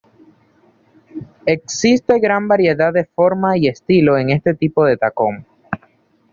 Existen gran variedad de formas y estilos en este tipo de tacón.